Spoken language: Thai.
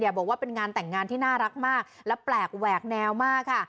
บอกว่าเป็นงานแต่งงานที่น่ารักมากและแปลกแหวกแนวมากค่ะ